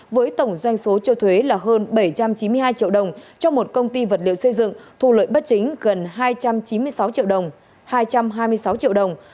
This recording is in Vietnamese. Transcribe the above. với tổng doanh số chưa thuế là hơn bảy trăm chín mươi hai triệu đồng cho một công ty vật liệu xây dựng thu lưỡi bất chính gần hai trăm chín mươi sáu triệu đồng